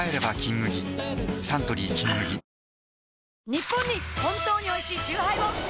ニッポンに本当においしいチューハイを！